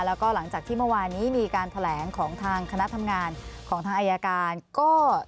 แล้วก็หลังจากที่เมื่อวานนี้มีการแถลงของทางคณะทำงานของทางอายการก็